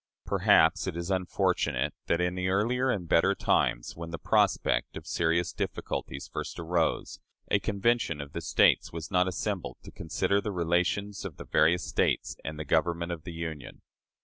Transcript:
Perhaps it is unfortunate that, in earlier and better times, when the prospect of serious difficulties first arose, a convention of the States was not assembled to consider the relations of the various States and the Government of the Union.